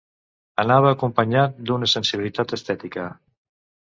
Anava acompanyat d'una sensibilitat estètica.